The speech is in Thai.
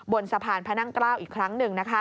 บนสะพานพระนั่งเกล้าอีกครั้งหนึ่ง